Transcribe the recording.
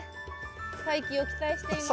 再起を期待しています。